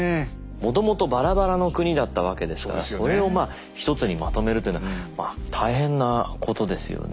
もともとバラバラの国だったわけですからそれを一つにまとめるというのは大変なことですよね。